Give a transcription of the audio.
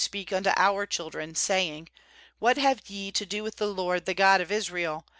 6 speak unto our children, saying: What have ye to do with the LORD, the God of Israel?